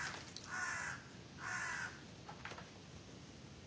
ああ。